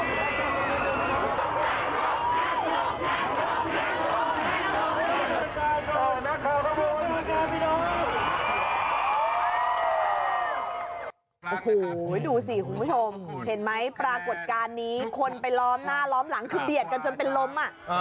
โอ้โหดูสิคุณผู้ชมเห็นไหมปรากฏการณ์นี้คนไปล้อมหน้าล้อมหลังคือเบียดกันจนเป็นลม